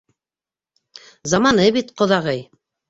— Заманы бит, ҡоҙағый.